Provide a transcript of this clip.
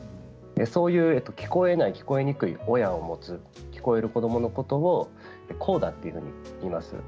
そういう、聞こえない聞こえにくい親を持つ聞こえる子どものことをコーダというふうに言います。